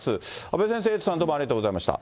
阿部先生、エイトさん、どうもありがとうございました。